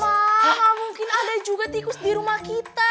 wah mungkin ada juga tikus di rumah kita